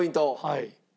はい。